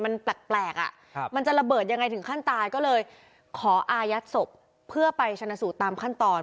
มันแปลกอ่ะมันจะระเบิดยังไงถึงขั้นตายก็เลยขออายัดศพเพื่อไปชนะสูตรตามขั้นตอน